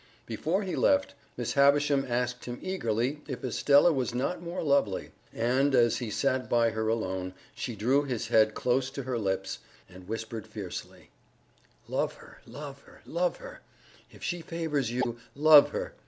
Before he left, Miss Havisham asked him eagerly if Estella was not more lovely, and, as he sat by her alone, she drew his head close to her lips and whispered fiercely: "Love her, love her, love her! If she favors you, love her!